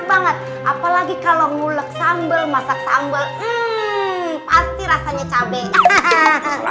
banget apalagi kalau ngulek sambel masak sambel pasti rasanya cabe